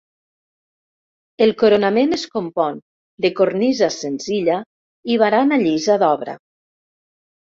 El coronament es compon de cornisa senzilla i barana llisa d'obra.